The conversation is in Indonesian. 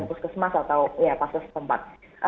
paskes mas atau paskes tempat